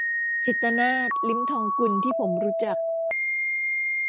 จิตตนาถ ลิ้มทองกุล ที่ผมรู้จัก